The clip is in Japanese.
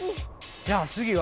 じゃあ次は。